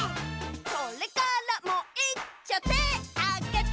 それからもいっちょてあげて！